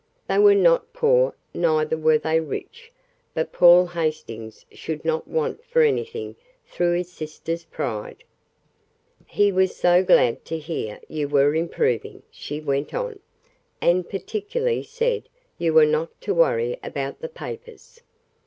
They were not poor, neither were they rich, but Paul Hastings should not want for anything through his sister's pride. "He was so glad to hear you were improving," she went on, "and particularly said you were not to worry about the papers.